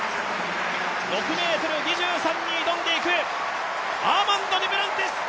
６ｍ２３に挑んでいくアーマンド・デュプランティス！